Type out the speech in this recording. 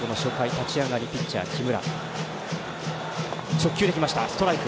立ち上がりピッチャー、木村。